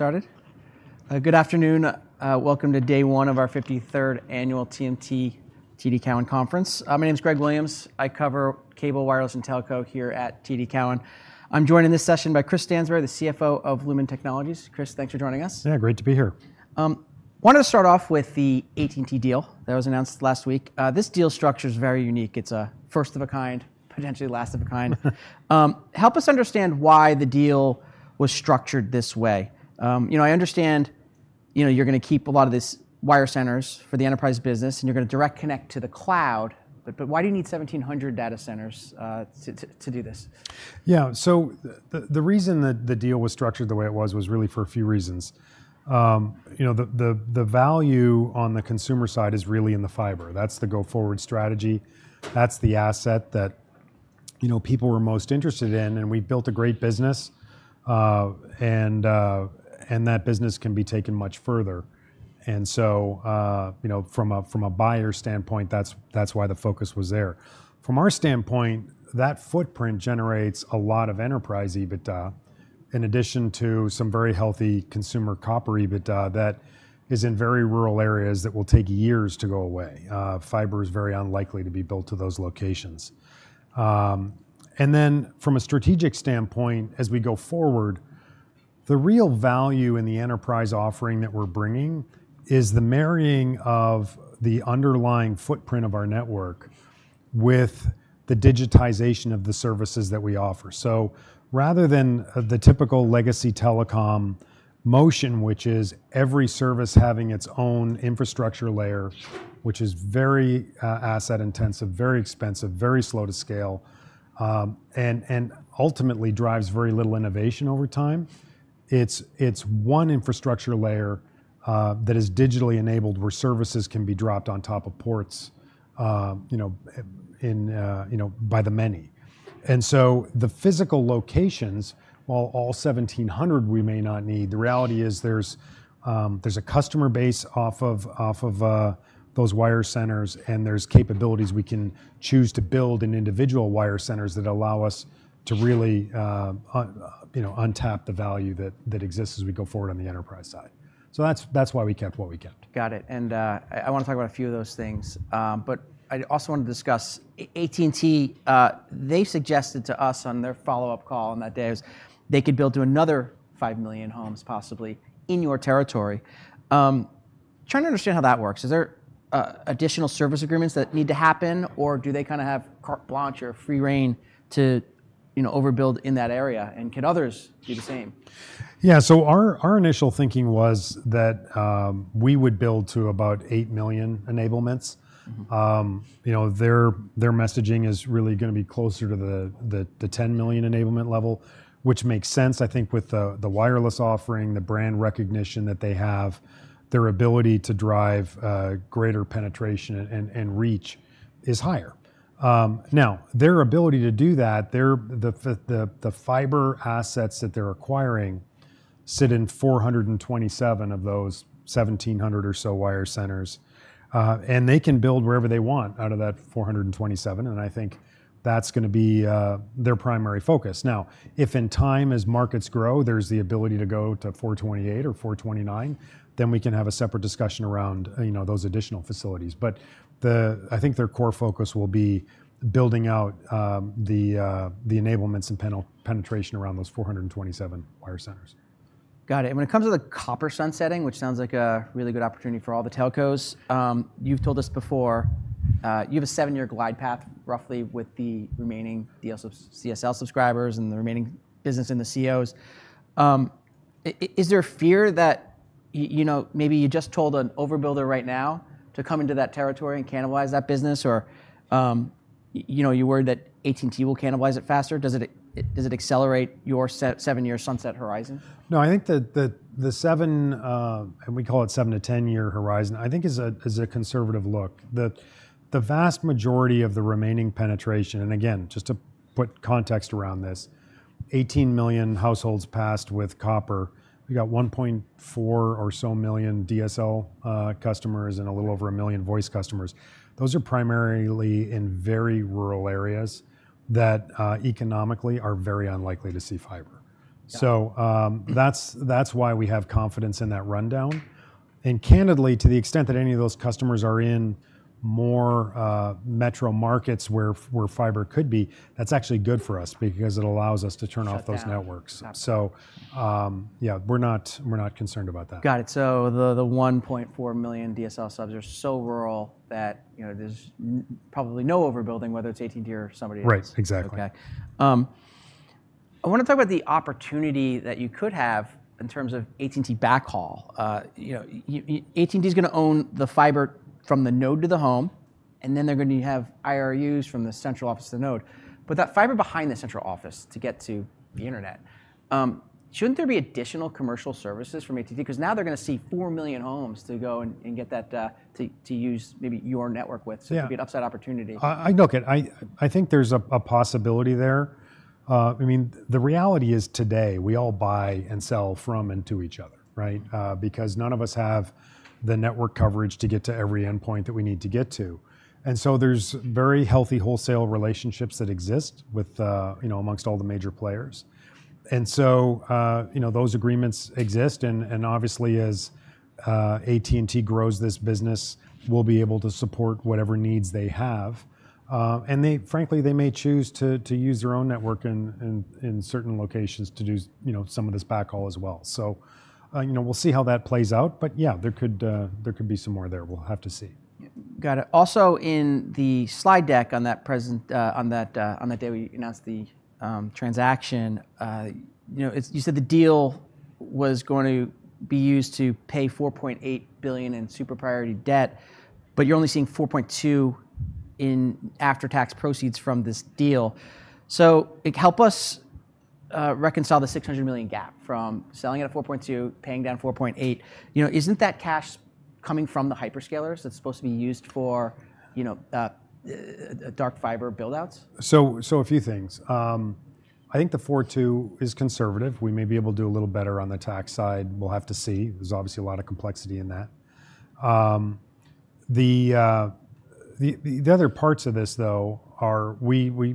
Started. Good afternoon. Welcome to day one of our 53rd Annual TMT TD Cowen Conference. My name is Greg Williams. I cover cable, wireless, and telco here at TD Cowen. I'm joined in this session by Chris Stansbury, the CFO of Lumen Technologies. Chris, thanks for joining us. Yeah, great to be here. I wanted to start off with the AT&T deal that was announced last week. This deal structure is very unique. It's a 1st of a kind, potentially last of a kind. Help us understand why the deal was structured this way. I understand you're going to keep a lot of these wire centers for the enterprise business, and you're going to direct connect to the cloud. Why do you need 1,700 data centers to do this? Yeah, the reason that the deal was structured the way it was was really for a few reasons. The value on the consumer side is really in the fiber. That's the go-forward strategy. That's the asset that people were most interested in and we built a great business. And that business can be taken much further. From a buyer standpoint, that's why the focus was there. From our standpoint, that footprint generates a lot of enterprise EBITDA, in addition to some very healthy consumer copper EBITDA that is in very rural areas that will take years to go away. Fiber is very unlikely to be built to those locations. From a strategic standpoint, as we go forward, the real value in the enterprise offering that we're bringing is the marrying of the underlying footprint of our network with the digitization of the services that we offer. Rather than the typical legacy telecom motion, which is every service having its own infrastructure layer, which is very asset intensive, very expensive, very slow to scale, and ultimately drives very little innovation over time. It's one infrastructure layer, that is digitally enabled where services can be dropped on top of ports by the many. The physical locations, while all 1,700 we may not need, the reality is there's a customer base off of those wire centers, and there's capabilities we can choose to build in individual wire centers that allow us to really untap the value that exists as we go forward on the enterprise side. That's why we kept what we kept. Got it. I want to talk about a few of those things. I also want to discuss AT&T. They suggested to us on their follow-up call on that day they could build to another 5 million homes possibly in your territory. Trying to understand how that works. Is there additional service agreements that need to happen, or do they kind of have carte blanche or free rein to overbuild in that area? Can others do the same? Yeah, so our initial thinking was that, we would build to about 8 million enablements. Their messaging is really going to be closer to the 10 million enablement level, which makes sense, I think, with the wireless offering, the brand recognition that they have, their ability to drive, greater penetration and reach is higher. Now, their ability to do that, the fiber assets that they're acquiring sit in 427 of those 1,700 or so wire centers and they can build wherever they want out of that 427 and I think that's going to be their primary focus. If in time as markets grow, there's the ability to go to 428 or 429, then we can have a separate discussion around those additional facilities. I think their core focus will be building out the enablements and penetration around those 427 wire centers. Got it. When it comes to the copper sunsetting, which sounds like a really good opportunity for all the telcos, you've told us before you have a seven-year glide path roughly with the remaining CSL subscribers and the remaining business in the COs. Is there a fear that maybe you just told an overbuilder right now to come into that territory and cannibalize that business? Are you worried that AT&T will cannibalize it faster? Does it accelerate your seven-year sunset horizon? No, I think that the seven, and we call it seven to 10 year horizon, I think is a conservative look. The vast majority of the remaining penetration, and again, just to put context around this, 18 million households passed with copper. We got 1.4 or so million DSL customers and a little over a million voice customers. Those are primarily in very rural areas that economically are very unlikely to see fiber. That is why we have confidence in that rundown. And candidly, to the extent that any of those customers are in more metro markets where fiber could be, that is actually good for us because it allows us to turn off those networks. Yeah, we are not concerned about that. Got it. The 1.4 million DSL subs are so rural that there's probably no overbuilding, whether it's AT&T or somebody else. Right, exactly. I want to talk about the opportunity that you could have in terms of AT&T backhaul. AT&T is going to own the fiber from the node to the home and then they're going to have IRUs from the central office to the node. That fiber behind the central office to get to the internet, shouldn't there be additional commercial services from AT&T? Because now they're going to see 4 million homes to go and get that to use maybe your network with. It could be an upside opportunity. I know. I think there's a possibility there. I mean, the reality is today, we all buy and sell from to each other, right? Because none of us have the network coverage to get to every endpoint that we need to get to. There are very healthy wholesale relationships that exist amongst all the major players. Those agreements exist and obviously as AT&T grows this business, we'll be able to support whatever needs they have. Frankly, they may choose to use their own network in certain locations to do some of this backhaul as well. We'll see how that plays out, yeah, there could be some more there. We'll have to see. Got it. Also, in the slide deck on that day we announced the transaction, you said the deal was going to be used to pay $4.8 billion in super priority debt, but you're only seeing $4.2 billion in after-tax proceeds from this deal. Help us reconcile the $600 million gap from selling it at $4.2 billion, paying down $4.8 billion. Isn't that cash coming from the hyperscalers that's supposed to be used for dark fiber buildouts? A few things. I think the $4.2 billion is conservative. We may be able to do a little better on the tax side. We'll have to see. There's obviously a lot of complexity in that. The other parts of this, though, are we were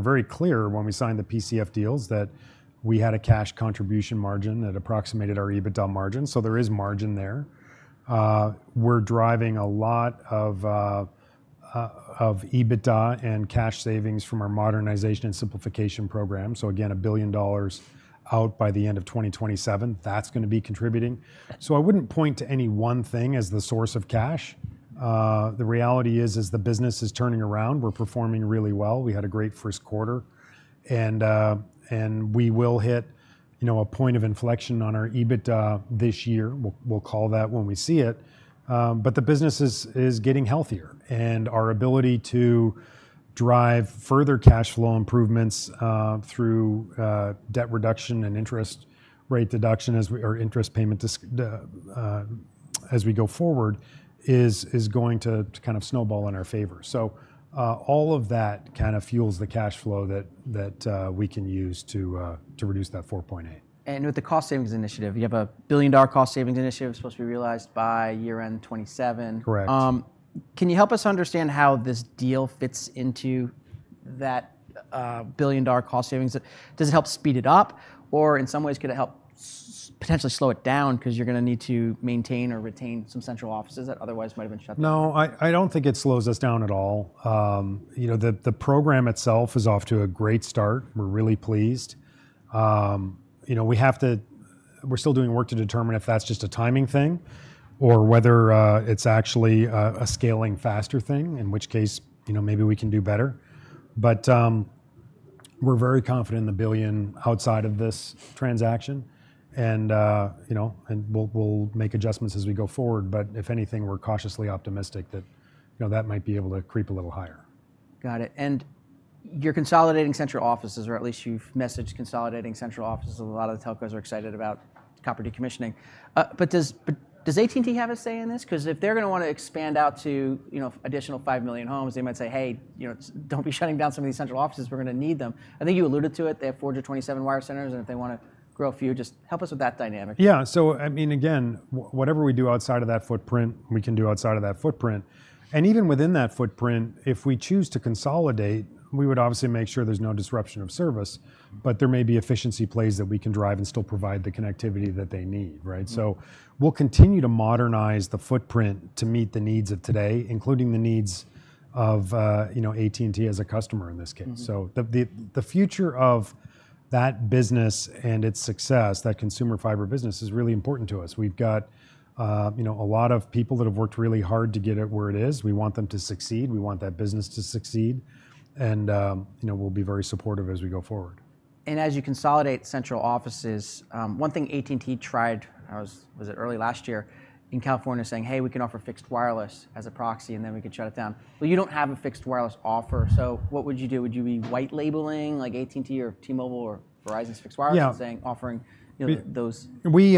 very clear when we signed the PCF deals that we had a cash contribution margin that approximated our EBITDA margin. There is margin there. We're driving a lot of EBITDA and cash savings from our modernization and simplification program. Again, $1 billion out by the end of 2027. That's going to be contributing. I wouldn't point to any one thing as the source of cash. The reality is, as the business is turning around, we're performing really well. We had a great first quarter. We will hit a point of inflection on our EBITDA this year. We'll call that when we see it. The business is getting healthier. Our ability to drive further cash flow improvements through debt reduction and interest rate deduction or interest payment as we go forward is going to kind of snowball in our favor. All of that kind of fuels the cash flow that we can use to reduce that $4.8 billion. With the cost savings initiative, you have a $1 billion cost savings initiative supposed to be realized by year-end 2027. Correct. Can you help us understand how this deal fits into that billion-dollar cost savings? Does it help speed it up? Or in some ways, could it help potentially slow it down because you're going to need to maintain or retain some central offices that otherwise might have been shut down? No, I don't think it slows us down at all. The program itself is off to a great start. We're really pleased. We're still doing work to determine if that's just a timing thing or whether it's actually a scaling faster thing, in which case maybe we can do better. We're very confident in the billion outside of this transaction. We'll make adjustments as we go forward. If anything, we're cautiously optimistic that that might be able to creep a little higher. Got it. You're consolidating central offices, or at least you've messaged consolidating central offices. A lot of the telcos are excited about copper decommissioning. Does AT&T have a say in this? If they're going to want to expand out to additional 5 million homes, they might say, hey, don't be shutting down some of these central offices. We're going to need them. I think you alluded to it. They have 427 wire centers. If they want to grow a few, just help us with that dynamic. Yeah. I mean, again, whatever we do outside of that footprint, we can do outside of that footprint. Even within that footprint, if we choose to consolidate, we would obviously make sure there is no disruption of service. There may be efficiency plays that we can drive and still provide the connectivity that they need, right? We will continue to modernize the footprint to meet the needs of today, including the needs of AT&T as a customer in this case. The future of that business and its success, that consumer fiber business, is really important to us. We have got a lot of people that have worked really hard to get it where it is. We want them to succeed. We want that business to succeed. We will be very supportive as we go forward. As you consolidate central offices, one thing AT&T tried, was it early last year in California saying, hey, we can offer fixed wireless as a proxy, and then we could shut it down. You do not have a fixed wireless offer. What would you do? Would you be white labeling like AT&T or T-Mobile or Verizon's fixed wireless and offering those? We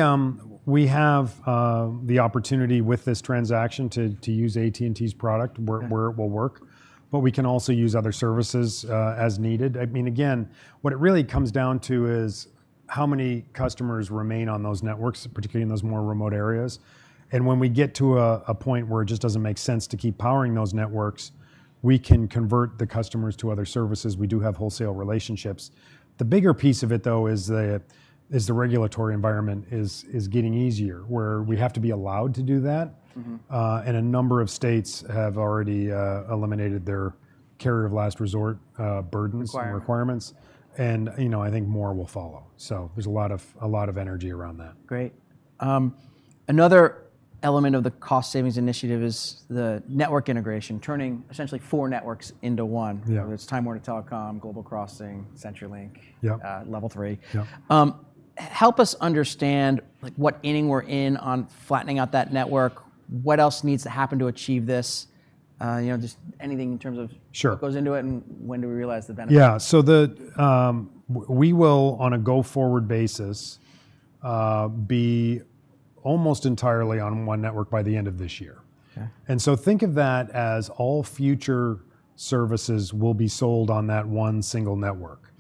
have the opportunity with this transaction to use AT&T's product, where it will work. We can also use other services as needed. I mean, again, what it really comes down to is how many customers remain on those networks, particularly in those more remote areas. When we get to a point where it just doesn't make sense to keep powering those networks, we can convert the customers to other services. We do have wholesale relationships. The bigger piece of it, though, is the regulatory environment is getting easier, where we have to be allowed to do that. A number of states have already eliminated their carrier of last resort burdens and requirements. I think more will follow. There is a lot of energy around that. Great. Another element of the cost savings initiative is the network integration, turning essentially four networks into one. It's Time Warner Telecom, Global Crossing, CenturyLink, Level 3. Help us understand what inning we're in on flattening out that network. What else needs to happen to achieve this? Just anything in terms of what goes into it and when do we realize the benefit? Yeah. We will, on a go-forward basis, be almost entirely on one network by the end of this year. Think of that as all future services will be sold on that one single network.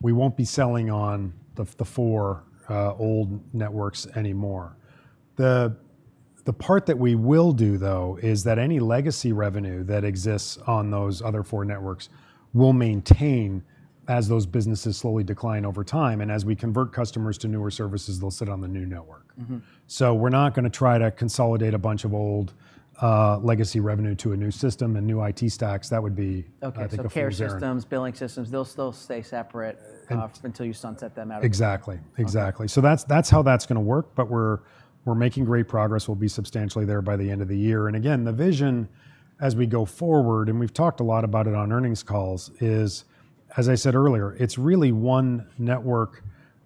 We will not be selling on the four old networks anymore. The part that we will do, though, is that any legacy revenue that exists on those other four networks will maintain as those businesses slowly decline over time. As we convert customers to newer services, they will sit on the new network. We are not going to try to consolidate a bunch of old legacy revenue to a new system and new IT stacks. That would be, I think, a failure. Care systems, billing systems, they'll still stay separate until you sunset them out of. Exactly. Exactly. That is how that is going to work, we are making great progress. We will be substantially there by the end of the year. Again, the vision as we go forward, and we have talked a lot about it on earnings calls, is, as I said earlier, it is really one network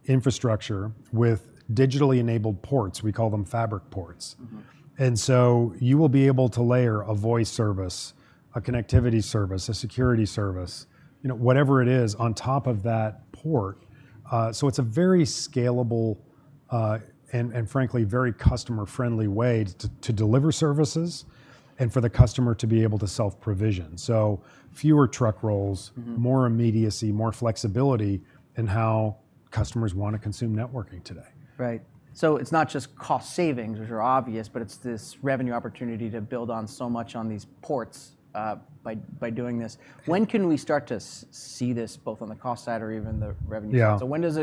infrastructure with digitally enabled ports. We call them fabric ports. You will be able to layer a voice service, a connectivity service, a security service, whatever it is, on top of that port. It is a very scalable and, frankly, very customer-friendly way to deliver services and for the customer to be able to self-provision. Fewer truck rolls, more immediacy, more flexibility in how customers want to consume networking today. Right. So it's not just cost savings, which are obvious, but it's this revenue opportunity to build on so much on these ports by doing this. When can we start to see this both on the cost side or even the revenue side? When does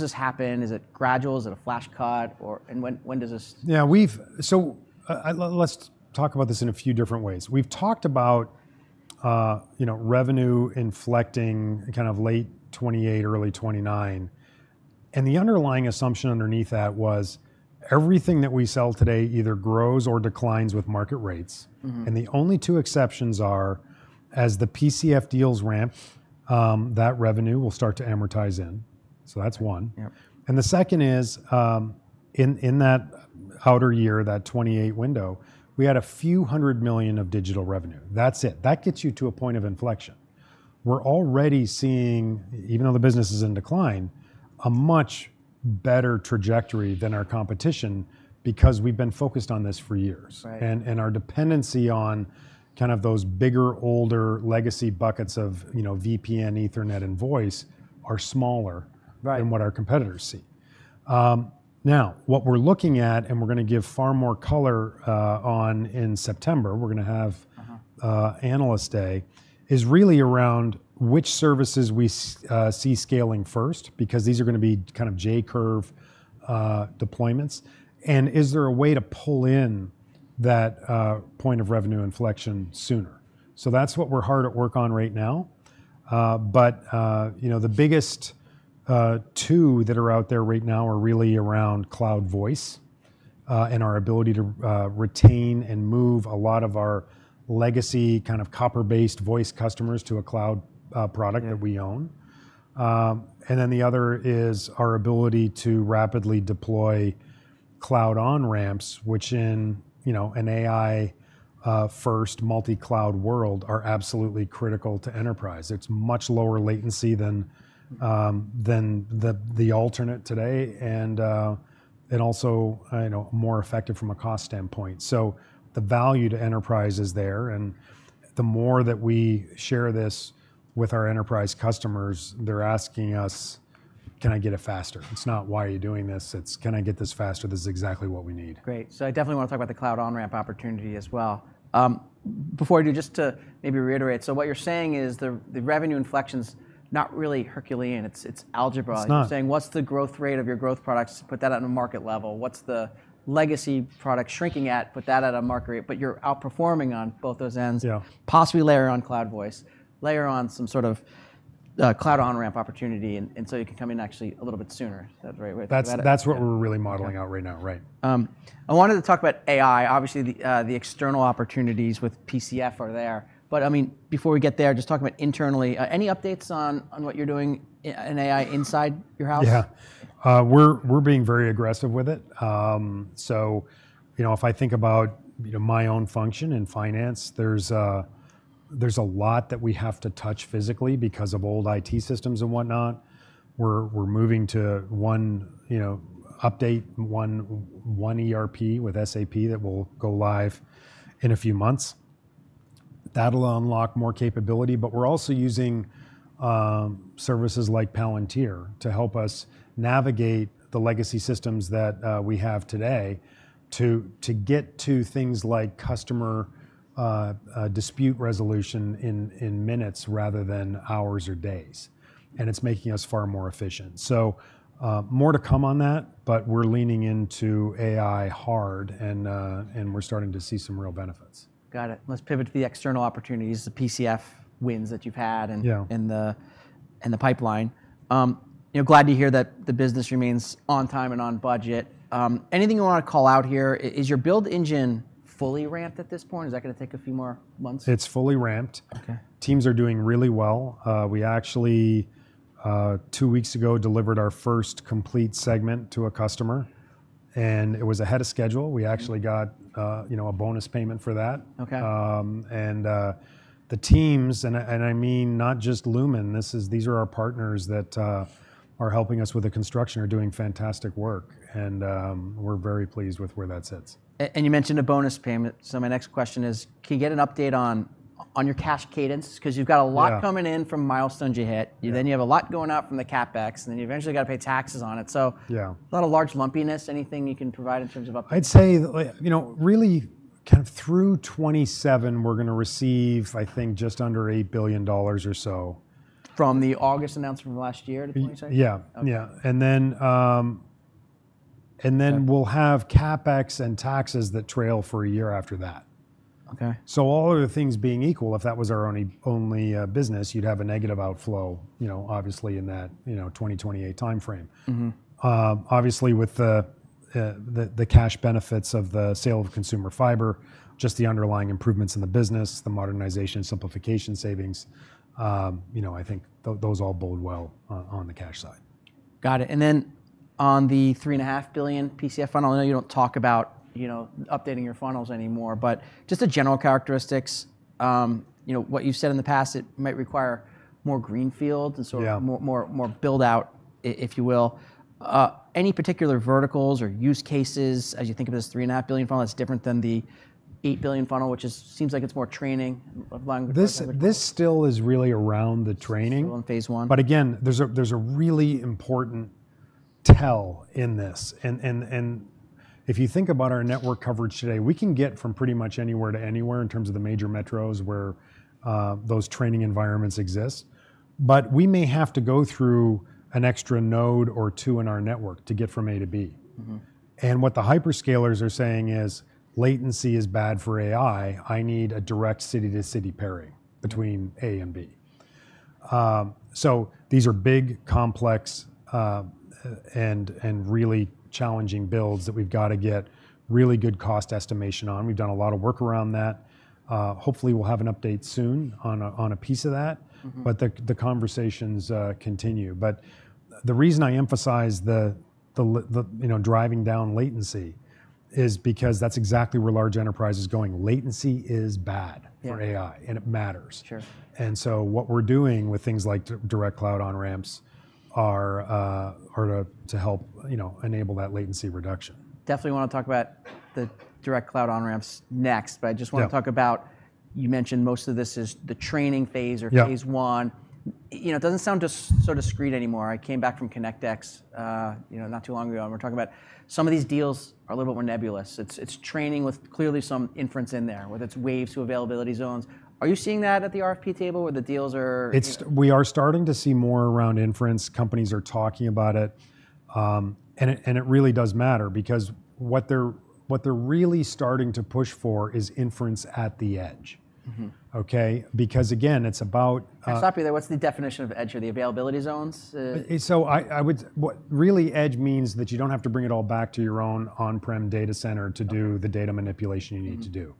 this happen? Is it gradual? Is it a flash cut? When does this? Yeah. Let's talk about this in a few different ways. We've talked about revenue inflecting kind of late 2028, early 2029. The underlying assumption underneath that was, everything that we sell today either grows or declines with market rates. The only two exceptions are, as the PCF deals ramp, that revenue will start to amortize in. That's one. The 2nd is, in that outer year, that 2028 window, we had a few hundred million of digital revenue. That's it. That gets you to a point of inflection. We're already seeing, even though the business is in decline, a much better trajectory than our competition because we've been focused on this for years. Our dependency on kind of those bigger, older legacy buckets of VPN, Ethernet, and voice are smaller than what our competitors see. Now, what we're looking at, and we're going to give far more color on in September, we're going to have Analyst Day, is really around which services we see scaling 1st because these are going to be kind of J curve deployments. Is there a way to pull in that point of revenue inflection sooner? That's what we're hard at work on right now. The biggest two that are out there right now are really around cloud voice and our ability to retain and move a lot of our legacy kind of copper-based voice customers to a cloud product that we own. The other is our ability to rapidly deploy cloud on-ramps, which in an AI-first multi-cloud world are absolutely critical to enterprise. It's much lower latency than the alternate today. It's also more effective from a cost standpoint. The value to enterprise is there. The more that we share this with our enterprise customers, they're asking us, can I get it faster? It's not, why are you doing this? It's, can I get this faster? This is exactly what we need. Great. I definitely want to talk about the cloud on-ramp opportunity as well. Before I do, just to maybe reiterate, what you're saying is the revenue inflection's not really Herculean. It's algebra. It's saying, what's the growth rate of your growth products? Put that on a market level. What's the legacy product shrinking at? Put that at a market rate. You're outperforming on both those ends. Possibly layer on cloud voice, layer on some sort of cloud on-ramp opportunity. You can come in actually a little bit sooner. Is that right? That's what we're really modeling out right now, right. I wanted to talk about AI. Obviously, the external opportunities with PCF are there. I mean, before we get there, just talking about internally, any updates on what you're doing in AI inside your house? Yeah. We're being very aggressive with it. If I think about my own function in finance, there's a lot that we have to touch physically because of old IT systems and whatnot. We're moving to update one ERP with SAP that will go live in a few months. That'll unlock more capability. We're also using services like Palantir to help us navigate the legacy systems that we have today to get to things like customer dispute resolution in minutes rather than hours or days. It's making us far more efficient. More to come on that. We're leaning into AI hard. We're starting to see some real benefits. Got it. Let's pivot to the external opportunities, the PCF wins that you've had and the pipeline. Glad to hear that the business remains on time and on budget. Anything you want to call out here? Is your build engine fully ramped at this point? Is that going to take a few more months? It's fully ramped. Teams are doing really well. We actually, two weeks ago, delivered our 1st complete segment to a customer. It was ahead of schedule. We actually got a bonus payment for that. The teams, and I mean not just Lumen, these are our partners that are helping us with the construction, are doing fantastic work. We are very pleased with where that sits. You mentioned a bonus payment. My next question is, can you get an update on your cash cadence? Because you have a lot coming in from milestones you hit. You have a lot going out from the CapEx. You eventually have to pay taxes on it. A lot of large lumpiness. Anything you can provide in terms of updates? I'd say really kind of through 2027, we're going to receive, I think, just under $8 billion or so. From the August announcement from last year to 2027? Yeah. Yeah. We'll have CapEx and taxes that trail for a year after that. All of the things being equal, if that was our only business, you'd have a negative outflow, obviously, in that 2028 time frame. Obviously, with the cash benefits of the sale of consumer fiber, just the underlying improvements in the business, the modernization, simplification savings, I think those all bode well on the cash side. Got it. On the $3.5 billion PCF funnel, I know you do not talk about updating your funnels anymore. Just the general characteristics, what you have said in the past, it might require more greenfield and sort of more build-out, if you will. Any particular verticals or use cases as you think of this $3.5 billion funnel that is different than the $8 billion funnel, which seems like it is more training? This still is really around the training. Phase one. There is a really important tell in this. If you think about our network coverage today, we can get from pretty much anywhere to anywhere in terms of the major metros where those training environments exist. We may have to go through an extra node or two in our network to get from A to B. What the hyperscalers are saying is, latency is bad for AI. I need a direct city-to-city pairing between A and B. These are big, complex, and really challenging builds that we have to get really good cost estimation on. We have done a lot of work around that. Hopefully, we will have an update soon on a piece of that. The conversations continue. The reason I emphasize the driving down latency is because that is exactly where large enterprise is going. Latency is bad for AI. It matters. What we're doing with things like direct cloud on-ramps are to help enable that latency reduction. Definitely want to talk about the direct cloud on-ramps next. I just want to talk about, you mentioned most of this is the training phase or phase one. It doesn't sound just so discreet anymore. I came back from ConnectX not too long ago. We're talking about some of these deals are a little bit more nebulous. It's training with clearly some inference in there, whether it's waves to availability zones. Are you seeing that at the RFP table where the deals are? We are starting to see more around inference. Companies are talking about it. It really does matter. What they're really starting to push for is inference at the edge. Because again, it's about. I'm stopping you there. What's the definition of edge or the availability zones? Really, edge means that you do not have to bring it all back to your own on-prem data center to do the data manipulation you need to do.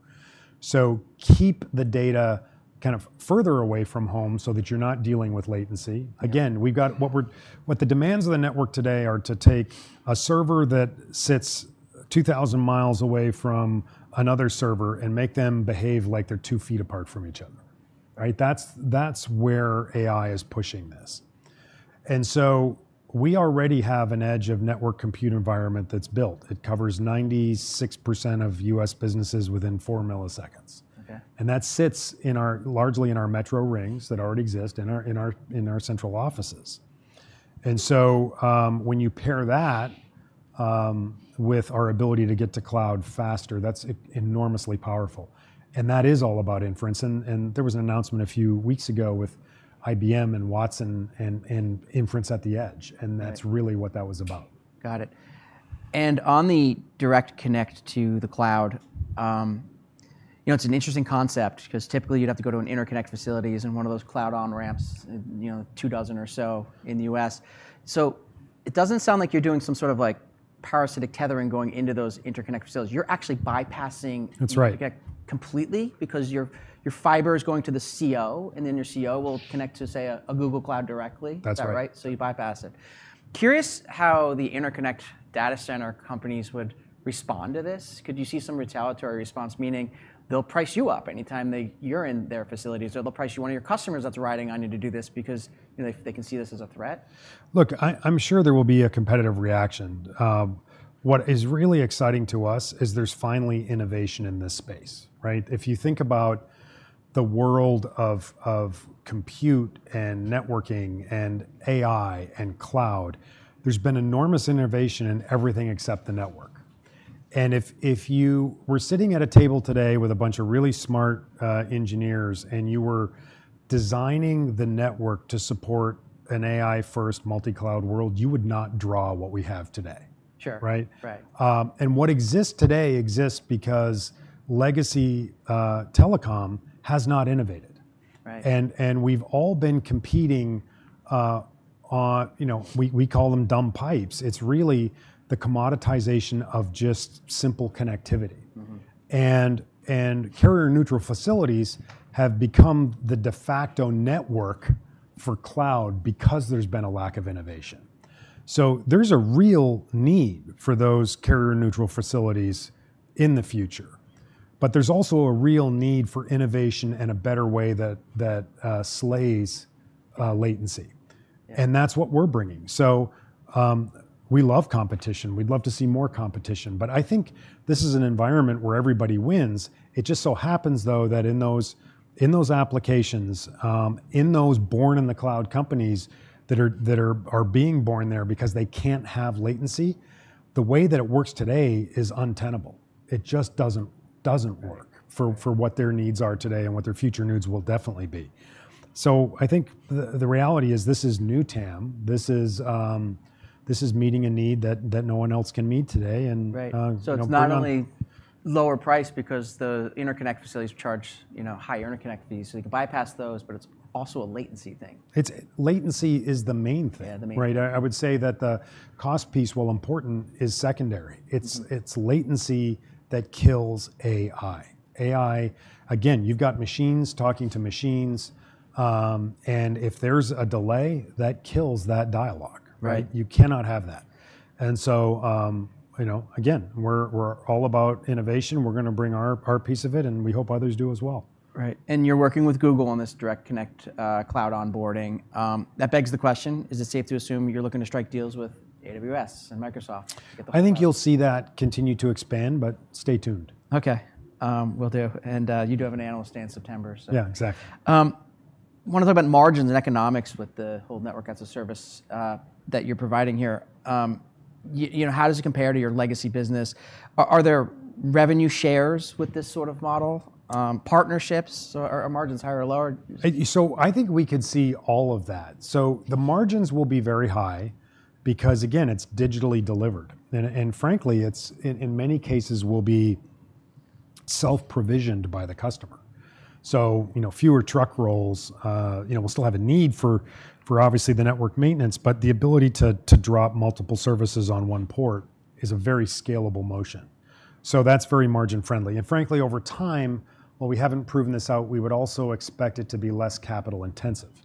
Keep the data kind of further away from home so that you are not dealing with latency. Again, what the demands of the network today are is to take a server that sits 2,000 miles away from another server and make them behave like they are two feet apart from each other. That is where AI is pushing this. We already have an edge of network compute environment that is built. It covers 96% of U.S. businesses within four milliseconds. That sits largely in our metro rings that already exist in our central offices. When you pair that with our ability to get to cloud faster, that is enormously powerful. That is all about inference. There was an announcement a few weeks ago with IBM and Watson and inference at the edge. That is really what that was about. Got it. On the Direct Connect to the cloud, it's an interesting concept because typically you'd have to go to an interconnect facility, as in one of those cloud on-ramps, two dozen or so in the U.S. It doesn't sound like you're doing some sort of parasitic tethering going into those interconnect facilities. You're actually bypassing. That's right. Interconnect completely because your fiber is going to the CO. Then your CO will connect to, say, a Google Cloud directly. That's right. You bypass it. Curious how the interconnect data center companies would respond to this. Could you see some retaliatory response, meaning they'll price you up anytime you're in their facilities? Or they'll price you or one of your customers that's riding on you to do this because they can see this as a threat? Look, I'm sure there will be a competitive reaction. What is really exciting to us is there's finally innovation in this space. If you think about the world of compute and networking and AI and cloud, there's been enormous innovation in everything except the network. If you were sitting at a table today with a bunch of really smart engineers and you were designing the network to support an AI-first multi-cloud world, you would not draw what we have today. What exists today exists because legacy telecom has not innovated. We've all been competing on, we call them dumb pipes. It is really the commoditization of just simple connectivity. Carrier-neutral facilities have become the de facto network for cloud because there's been a lack of innovation. There is a real need for those carrier-neutral facilities in the future. There is also a real need for innovation and a better way that slays latency. That is what we are bringing. We love competition. We would love to see more competition. I think this is an environment where everybody wins. It just so happens, though, that in those applications, in those born-in-the-cloud companies that are being born there because they cannot have latency, the way that it works today is untenable. It just does not work for what their needs are today and what their future needs will definitely be. I think the reality is this is new TAM. This is meeting a need that no one else can meet today. It's not only lower price because the interconnect facilities charge higher interconnect fees. You can bypass those. It's also a latency thing. Latency is the main thing. I would say that the cost piece, while important, is secondary. It is latency that kills AI. AI, again, you have got machines talking to machines. If there is a delay, that kills that dialogue. You cannot have that. Again, we are all about innovation. We are going to bring our piece of it. We hope others do as well. Right. You're working with Google on this Direct Connect cloud onboarding. That begs the question, is it safe to assume you're looking to strike deals with AWS and Microsoft? I think you'll see that continue to expand. Stay tuned. OK. Will do. You do have an Analyst stand in September. Yeah, exactly. I want to talk about margins and economics with the whole network as a service that you're providing here. How does it compare to your legacy business? Are there revenue shares with this sort of model? Partnerships? Are margins higher or lower? I think we could see all of that. The margins will be very high because, again, it's digitally delivered. And frankly, in many cases, will be self-provisioned by the customer. Fewer truck rolls, we'll still have a need for, obviously, the network maintenance, but the ability to drop multiple services on one port is a very scalable motion. That's very margin-friendly. Frankly, over time, while we haven't proven this out, we would also expect it to be less capital-intensive per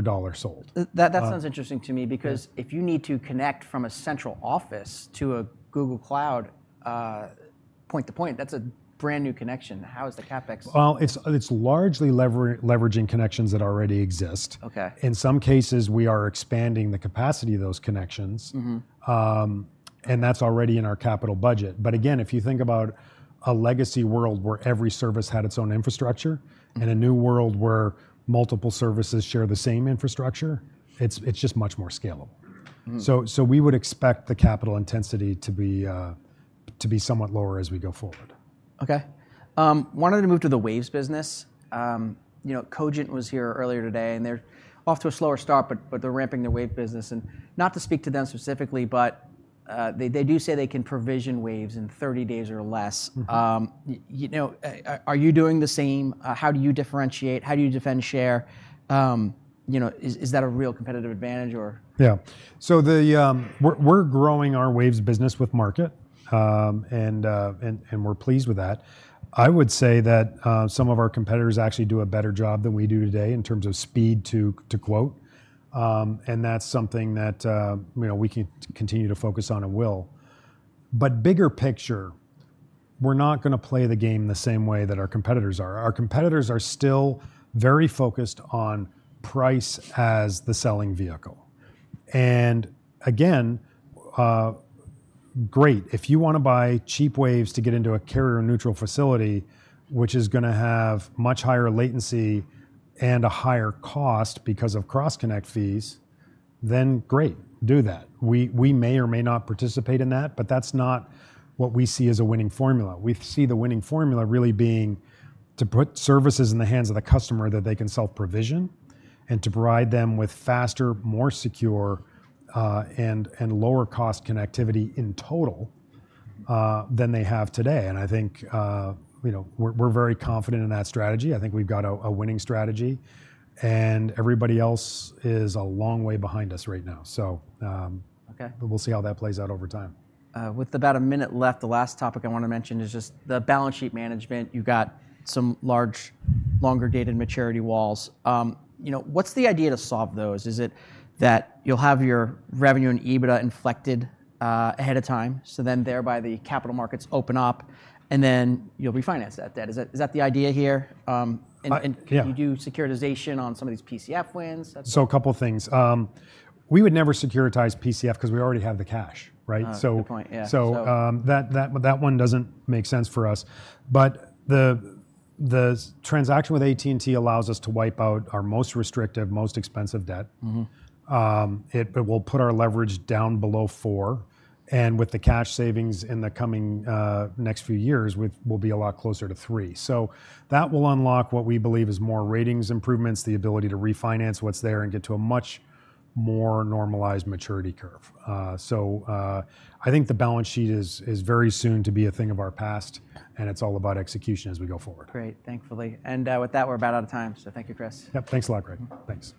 dollar sold. That sounds interesting to me because if you need to connect from a central office to a Google Cloud point-to-point, that's a brand new connection. How is the CapEx? It is largely leveraging connections that already exist. In some cases, we are expanding the capacity of those connections. That is already in our capital budget. Again, if you think about a legacy world where every service had its own infrastructure and a new world where multiple services share the same infrastructure, it is just much more scalable. We would expect the capital intensity to be somewhat lower as we go forward. OK. I wanted to move to the waves business. Cogent was here earlier today. They're off to a slower start, but they're ramping their wave business. Not to speak to them specifically, but they do say they can provision waves in 30 days or less. Are you doing the same? How do you differentiate? How do you defend share? Is that a real competitive advantage? Yeah. So we're growing our waves business with market and we're pleased with that. I would say that some of our competitors actually do a better job than we do today in terms of speed to quote. That's something that we can continue to focus on and will. Bigger picture, we're not going to play the game the same way that our competitors are. Our competitors are still very focused on price as the selling vehicle. Again, great. If you want to buy cheap waves to get into a carrier-neutral facility, which is going to have much higher latency and a higher cost because of cross-connect fees, then great. Do that. We may or may not participate in that. That's not what we see as a winning formula. We see the winning formula really being to put services in the hands of the customer that they can self-provision and to provide them with faster, more secure, and lower-cost connectivity in total than they have today. I think we're very confident in that strategy. I think we've got a winning strategy. Everybody else is a long way behind us right now. We will see how that plays out over time. With about a minute left, the last topic I want to mention is just the balance sheet management. You've got some large, longer-dated maturity walls. What's the idea to solve those? Is it that you'll have your revenue and EBITDA inflected ahead of time so then thereby the capital markets open up and then you'll refinance that debt? Is that the idea here? You do securitization on some of these PCF wins? A couple of things. We would never securitize PCF because we already have the cash. That one does not make sense for us. The transaction with AT&T allows us to wipe out our most restrictive, most expensive debt. It will put our leverage down below four. With the cash savings in the coming next few years, we will be a lot closer to three. That will unlock what we believe is more ratings improvements, the ability to refinance what is there and get to a much more normalized maturity curve. I think the balance sheet is very soon to be a thing of our past. It is all about execution as we go forward. Great. Thankfully. And with that, we're about out of time. So thank you, Chris. Yep. Thanks a lot, Greg. Thanks.